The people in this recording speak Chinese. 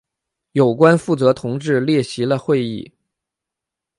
有关负责同志列席了会议。